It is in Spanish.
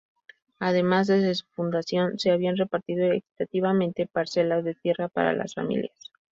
Además, desde su fundación, se habían repartido equitativamente parcelas de tierra para las familias.